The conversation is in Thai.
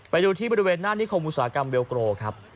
ไปดูที่บริเวณหน้านิคมอุตสาหกรรมเวลโกรครับ